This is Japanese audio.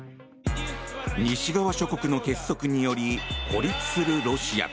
西側諸国の結束により孤立するロシア。